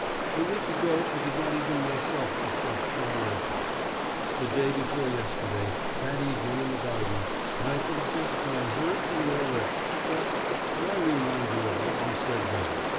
A week ago I did not even myself suspect that I loved you. The day before yesterday, that evening in the garden, I for the first time heard from your lips,... but why remind you of what you said then?